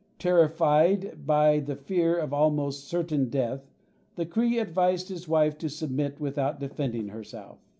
Terrified by the fear of almost certain death, the Cree advised his wife to submit without defending herself.